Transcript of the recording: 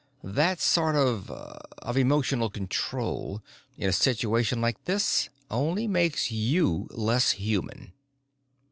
"That sort of of emotional control, in a situation like this, only makes you less human."